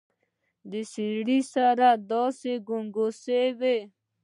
د سړي سر داسې ګنګساوه.